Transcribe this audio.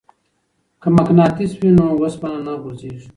که مقناطیس وي نو وسپنه نه غورځیږي.